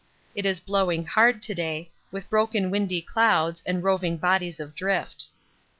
It is blowing hard to day, with broken windy clouds and roving bodies of drift.